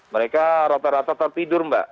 mereka rata rata tertidur mbak